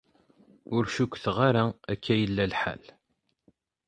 Ur cukkteɣ ara akka i yella lḥal.